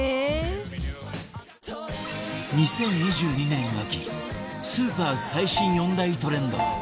２０２２年秋スーパー最新４大トレンド